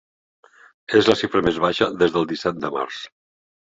És la xifra més baixa des del disset de març.